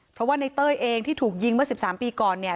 เพราะว่าในเต้ยเองที่ถูกยิงเมื่อ๑๓ปีก่อนเนี่ย